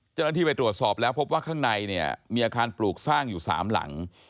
จากนั้นที่ไปตรวจสอบแล้วพบว่าข้างในมีอาคารปลูกสร้างอยู่สามหลัง